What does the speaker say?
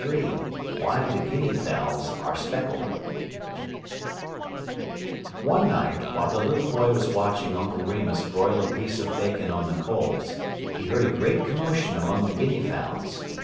XXXIII WHY THE GUINEA FOWLS ARE SPECKLED One night, while the little boy was watching Uncle Remus broil a piece of bacon on the coals, he heard a great commotion among the guinea fowls.